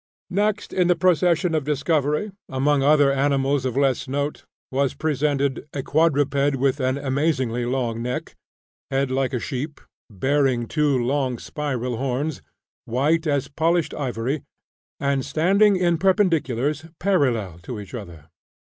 Next in the procession of discovery, among other animals of less note, was presented "a quadruped with an amazingly long neck, head like a sheep, bearing two long spiral horns, white as polished ivory, and standing in perpendiculars parallel to each other.